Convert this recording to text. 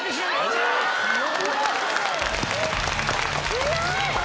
強い！